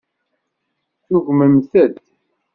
Tugmemt-d.